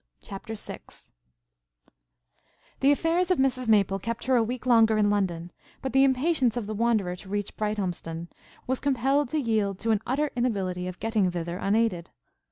CHAPTER VI The affairs of Mrs Maple kept her a week longer in London; but the impatience of the Wanderer to reach Brighthelmstone, was compelled to yield to an utter inability of getting thither unaided.